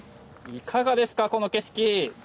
いかがですか、この景色。